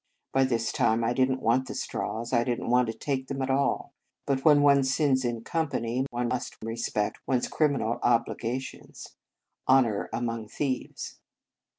By this time, I did n t want the straws, I did n t want to take them at all; but, when one sins in company, one must respect one s criminal obligations. " Honour among thieves."